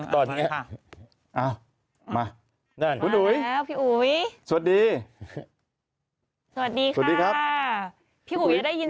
คุณอุ๋ยมาแล้วพี่อุ๋ยสวัสดีสวัสดีค่ะพี่อุ๋ยด้ายยินเสียงเรา